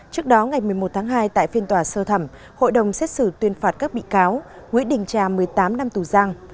trước đó ngày một mươi một tháng hai tại phiên tòa sơ thẩm hội đồng xét xử tuyên phạt các bị cáo nguyễn đình trà một mươi tám năm tù giam